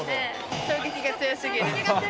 衝撃が強すぎる。